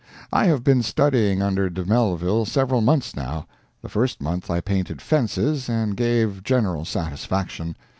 I have been studying under De Mellville several months now. The first month I painted fences, and gave general satisfaction.